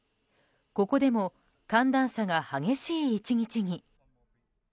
ここでも寒暖差が激しい一日に。